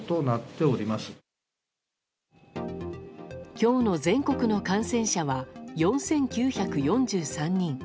今日の全国の感染者は４９４３人。